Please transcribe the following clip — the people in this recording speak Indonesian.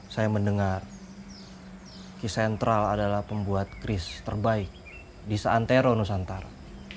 saya mendengar ki sentral adalah pembuat kris terbaik di santero nusantara